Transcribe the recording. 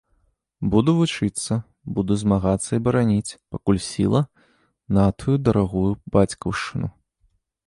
Буду вучыцца, буду змагацца і бараніць, пакуль сіла, натую дарагую бацькаўшчыну.